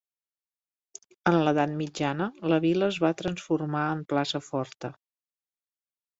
En l'edat mitjana, la vila es va transformar en plaça forta.